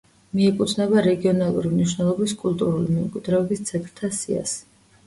მიეკუთვნება რეგიონალური მნიშვნელობის კულტურული მემკვიდრეობის ძეგლთა სიას.